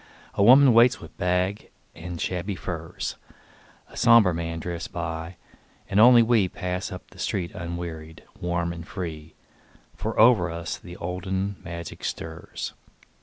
A woman waits with bag and shabby furs, A somber man drifts by, and only we Pass up the street unwearied, warm and free, For over us the olden magic stirs.